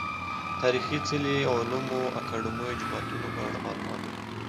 تاريخي څلي، علومو اکادميو، جوماتونه په اړه معلومات ورکړي دي